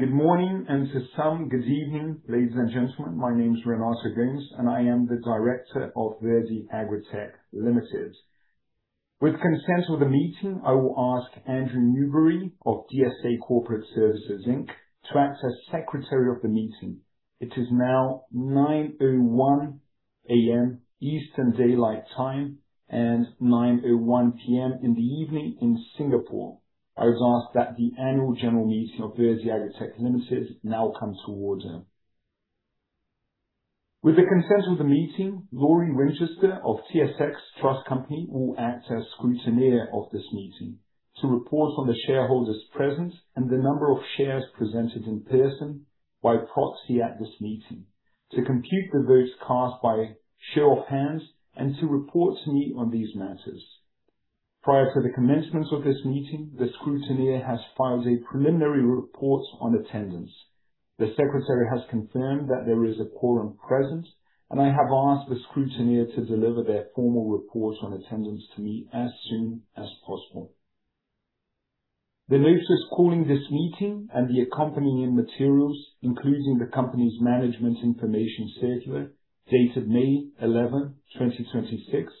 Good morning, and to some, good evening, ladies and gentlemen. My name is Renato Gomes, and I am the Director of Verde AgriTech Limited. With consent of the meeting, I will ask Andrew Newbury of DSA Corporate Services Inc. to act as secretary of the meeting. It is now 9:01 A.M. Eastern Daylight Time and 9:01 P.M. in the evening in Singapore. I would ask that the annual general meeting of Verde AgriTech Limited now come to order. With the consent of the meeting, Lori Winchester of TSX Trust Company will act as scrutineer of this meeting to report on the shareholders present and the number of shares presented in person by proxy at this meeting, to compute the votes cast by show of hands, and to report to me on these matters. Prior to the commencement of this meeting, the scrutineer has filed a preliminary report on attendance. The secretary has confirmed that there is a quorum present, and I have asked the scrutineer to deliver their formal report on attendance to me as soon as possible. The notice calling this meeting and the accompanying materials, including the company's management information circular dated May 11, 2026,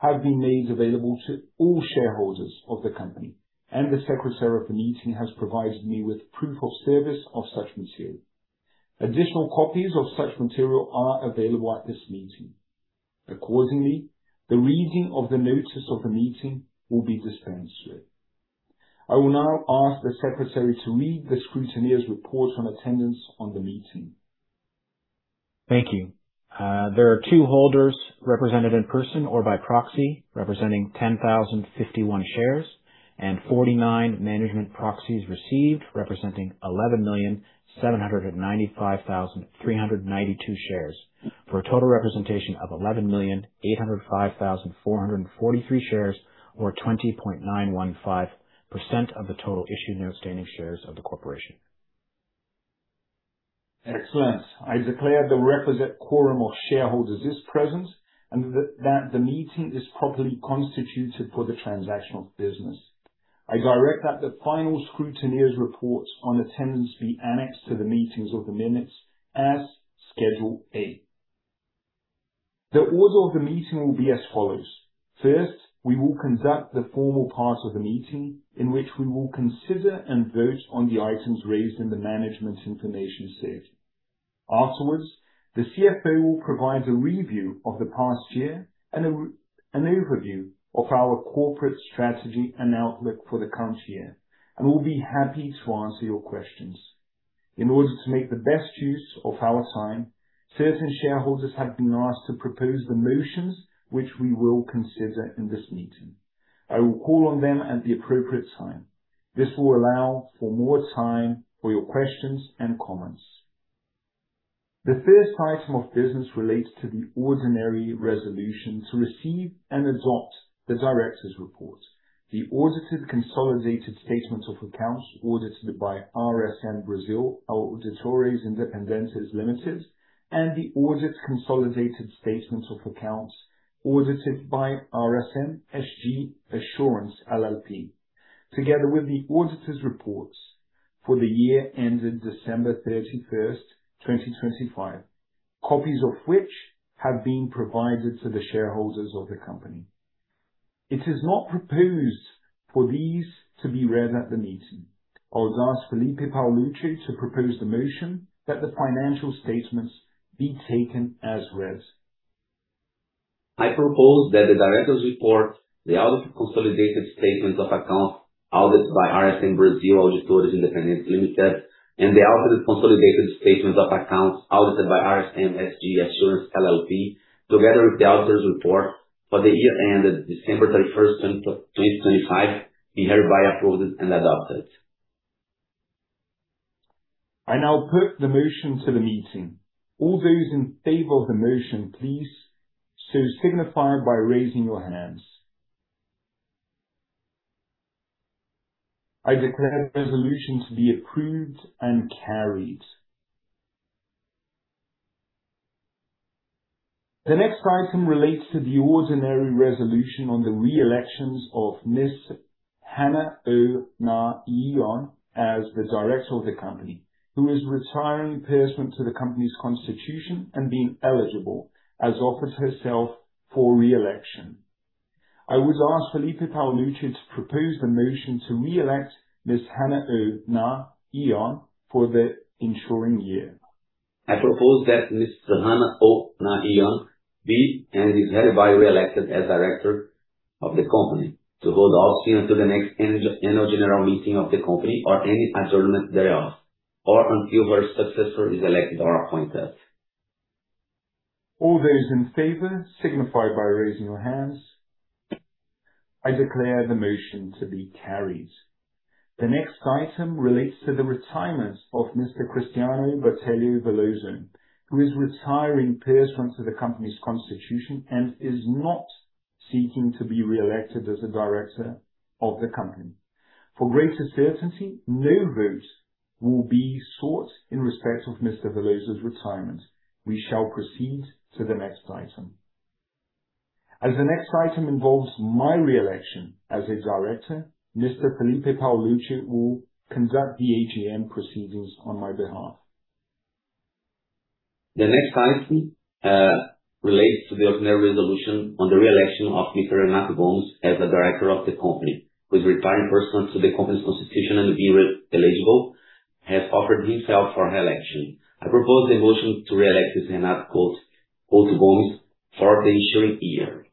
have been made available to all shareholders of the company, and the secretary of the meeting has provided me with proof of service of such material. Additional copies of such material are available at this meeting. Accordingly, the reading of the notice of the meeting will be dispensed with. I will now ask the secretary to read the scrutineer's report on attendance on the meeting. Thank you. There are two holders represented in person or by proxy, representing 10,051 shares, and 49 management proxies received, representing 11,795,392 shares, for a total representation of 11,805,443 shares or 20.915% of the total issued and outstanding shares of the corporation. Excellent. I declare the requisite quorum of shareholders is present and that the meeting is properly constituted for the transaction of business. I direct that the final scrutineer's report on attendance be annexed to the meetings of the minutes as Schedule A. The order of the meeting will be as follows. First, we will conduct the formal part of the meeting in which we will consider and vote on the items raised in the management information circular. Afterwards, the CFO will provide a review of the past year and an overview of our corporate strategy and outlook for the current year and will be happy to answer your questions. In order to make the best use of our time, certain shareholders have been asked to propose the motions which we will consider in this meeting. I will call on them at the appropriate time. This will allow for more time for your questions and comments. The first item of business relates to the ordinary resolution to receive and adopt the director's report, the audited consolidated statement of accounts audited by RSM Brasil Auditores Independentes LTDA, and the audit consolidated statement of accounts audited by RSM SG Assurance LLP, together with the auditors' reports for the year ended December 31st, 2025, copies of which have been provided to the shareholders of the company. It is not proposed for these to be read at the meeting. I'll ask Felipe Paolucci to propose the motion that the financial statements be taken as read. I propose that the director's report, the audited consolidated statement of accounts audited by RSM Brasil Auditores Independentes LTDA and the audited consolidated statement of accounts audited by RSM SG Assurance LLP, together with the auditor's report for the year ended December 31st, 2025, be hereby approved and adopted. I now put the motion to the meeting. All those in favor of the motion, please so signify by raising your hands. I declare the resolution to be approved and carried. The next item relates to the ordinary resolution on the re-elections of Ms. Hannah Oh Na Yeon as the director of the company, who is retiring pursuant to the company's constitution and being eligible has offered herself for re-election. I would ask Felipe Paolucci to propose the motion to re-elect Ms. Hannah Oh Na Yeon for the ensuring year. I propose that Ms. Hannah Oh Na Yeon be and is hereby re-elected as director of the company to hold office until the next Annual General Meeting of the company or any adjournment thereof, or until her successor is elected or appointed. All those in favor, signify by raising your hands. I declare the motion to be carried. The next item relates to the retirement of Mr. Cristiano Botelho Veloso, who is retiring pursuant to the company's constitution and is not seeking to be re-elected as a director of the company. For greater certainty, no vote will be sought in respect of Mr. Veloso's retirement. We shall proceed to the next item. As the next item involves my re-election as a director, Mr. Felipe Paolucci will conduct the AGM proceedings on my behalf. The next item relates to the ordinary resolution on the re-election of Mr. Renato Gomes as a director of the company, who is retiring pursuant to the company's constitution and being eligible, has offered himself for re-election. I propose the motion to re-elect Mr. Renato Couto Gomes for the ensuing year.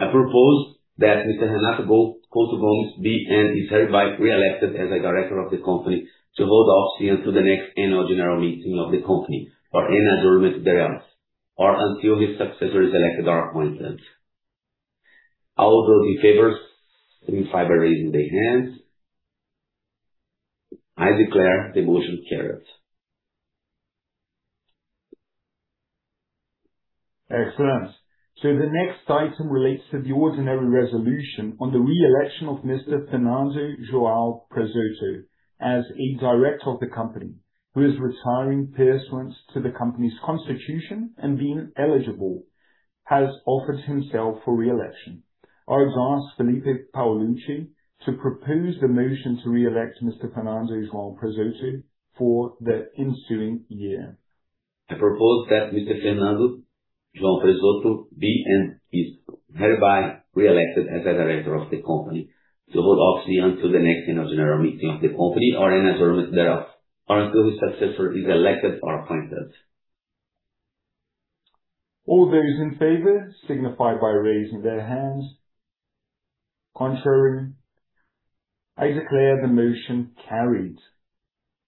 I propose that Mr. Renato Couto Gomes be, and is hereby re-elected as a director of the company to hold office until the next annual general meeting of the company or any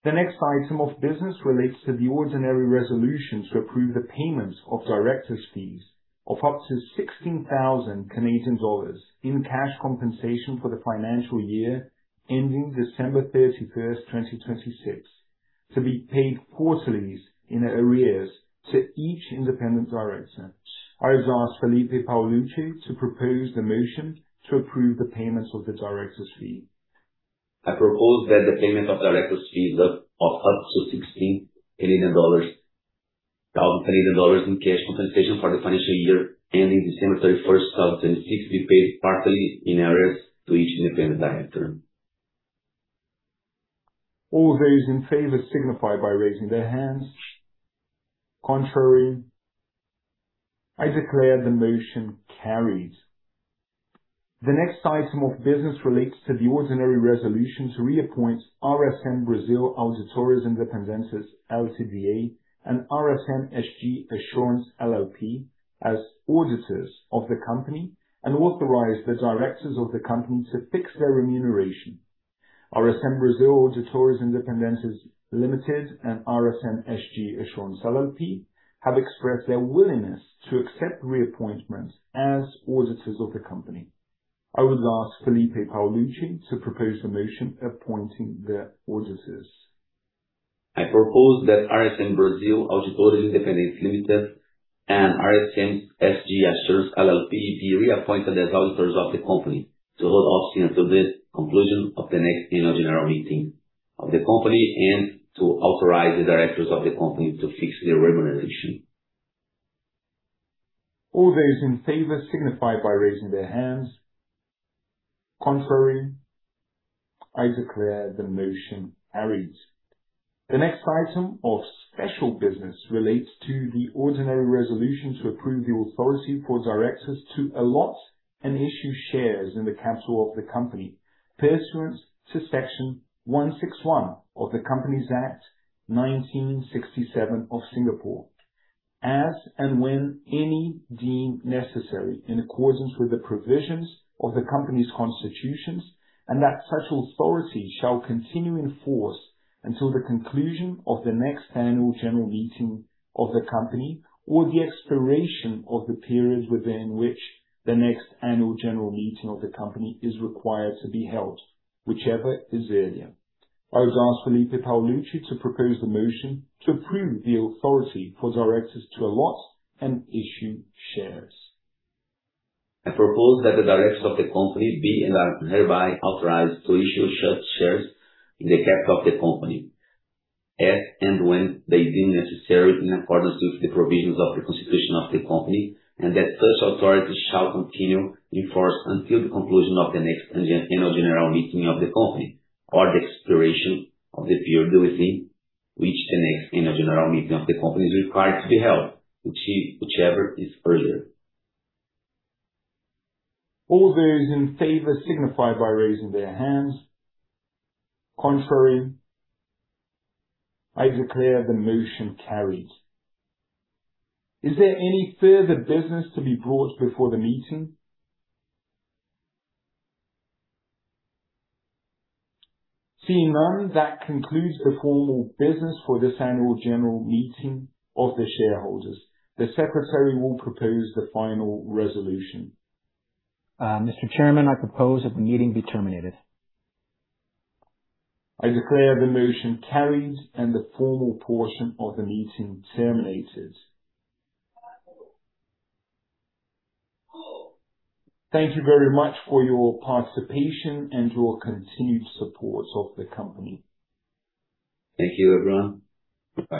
The next item of business relates to the ordinary resolution to approve the payment of directors' fees of up to 16,000 Canadian dollars in cash compensation for the financial year ending December 31, 2026, to be paid quarterly in arrears to each independent director. I would ask Felipe Paolucci to propose the motion to approve the payment of the directors' fee. I propose that the payment of directors' fees of up to 16,000 dollars in cash compensation for the financial year ending December 31, 2026 be paid quarterly in arrears to each independent director. All those in favor signify by raising their hands. Contrary. I declare the motion carried. The next item of business relates to the ordinary resolution to reappoint RSM Brasil Auditores Independentes LTDA and RSM SG Assurance LLP as auditors of the company and authorize the directors of the company to fix their remuneration. RSM Brasil Auditores Independentes LTDA and RSM SG Assurance LLP have expressed their willingness to accept reappointment as auditors of the company. I would ask Felipe Paolucci to propose the motion appointing the auditors. I propose that RSM Brasil Auditores Independentes LTDA and RSM SG Assurance LLP be reappointed as auditors of the company to hold office until the conclusion of the next annual general meeting of the company and to authorize the directors of the company to fix their remuneration. All those in favor signify by raising their hands. Contrary. I declare the motion carried. The next item of special business relates to the ordinary resolution to approve the authority for directors to allot and issue shares in the capital of the company pursuant to Section 161 of the Companies Act 1967 of Singapore, as and when any deemed necessary in accordance with the provisions of the company's constitutions, and that such authority shall continue in force until the conclusion of the next annual general meeting of the company or the expiration of the period within which the next annual general meeting of the company is required to be held, whichever is earlier. I would ask Felipe Paolucci to propose the motion to approve the authority for directors to allot and issue shares. I propose that the directors of the company be and are hereby authorized to issue such shares in the capital of the company as and when they deem necessary in accordance with the provisions of the constitution of the company, and that such authority shall continue in force until the conclusion of the next annual general meeting of the company or the expiration of the period within which the next annual general meeting of the company is required to be held, whichever is earlier. All those in favor signify by raising their hands. Contrary. I declare the motion carried. Is there any further business to be brought before the meeting? Seeing none, that concludes the formal business for this annual general meeting of the shareholders. The secretary will propose the final resolution. Mr. Chairman, I propose that the meeting be terminated. I declare the motion carried and the formal portion of the meeting terminated. Thank you very much for your participation and your continued support of the company. Thank you, everyone.